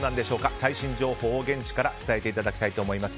最新情報を現地から伝えていただきたいと思います。